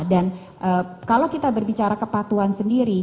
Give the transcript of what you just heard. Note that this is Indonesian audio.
dan kalau kita berbicara kepatuhan sendiri